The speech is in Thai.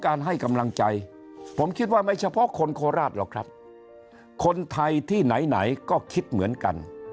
ให้กำลังใจผมคิดว่าไม่เฉพาะคนโคราชหรอกครับคนไทยที่ไหนไหนก็คิดเหมือนกัน